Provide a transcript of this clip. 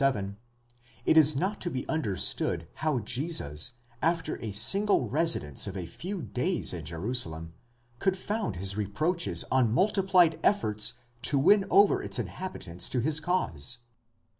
37) it is not to be understood how Jesus, after a single residence of a few days in Jerusalem, could found his reproaches on multi plied efforts to win over its inhabitants to his cause.